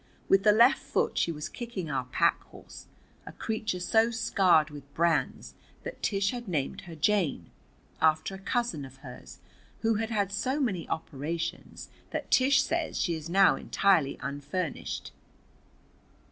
With the left foot she was kicking our pack horse, a creature so scarred with brands that Tish had named her Jane, after a cousin of hers who had had so many operations that Tish says she is now entirely unfurnished.